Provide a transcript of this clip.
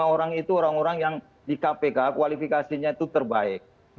lima orang itu orang orang yang di kpk kualifikasinya itu terbaik